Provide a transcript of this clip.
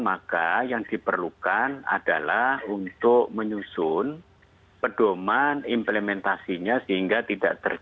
maka yang diperlukan adalah untuk menyusun pedoman implementasinya sehingga tidak terjadi